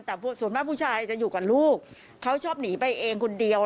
แต่ส่วนมากผู้ชายจะอยู่กับลูกเขาชอบหนีไปเองคนเดียว